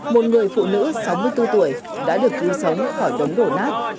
một người phụ nữ sáu mươi bốn tuổi đã được cứu sống khỏi đống đổ nát